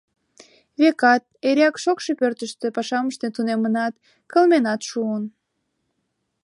Векат, эреак шокшо пӧртыштӧ пашам ыштен тунемынат, кылменат шуын.